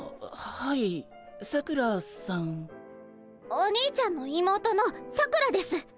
お兄ちゃんの妹のさくらです。